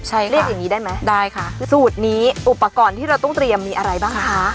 ใช่เรียกอย่างงี้ได้ไหมได้ค่ะสูตรนี้อุปกรณ์ที่เราต้องเตรียมมีอะไรบ้างคะ